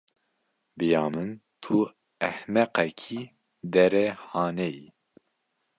Bi ya min tu ehmeqekî derê hanê yî.